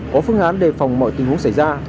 có phương án đề phòng mọi tình huống xảy ra